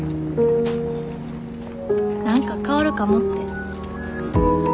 何か変わるかもって。